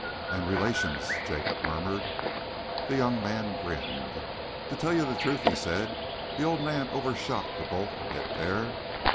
'" "And relations," Jacob murmured. The young man grinned. "To tell you the truth," he said, "the old man overshot the bolt a bit there.